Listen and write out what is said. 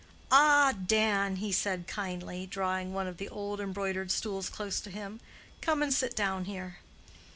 "Ah, Dan!" he said kindly, drawing one of the old embroidered stools close to him. "Come and sit down here."